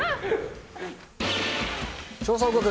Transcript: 調査報告。